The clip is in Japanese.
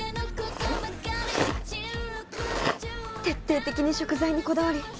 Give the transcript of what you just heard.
徹底的に食材にこだわり